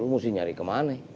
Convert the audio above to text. lu mesti nyari kemana